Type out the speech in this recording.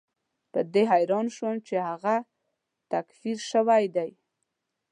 په دې حیران شوم چې هغه تکفیر شوی دی.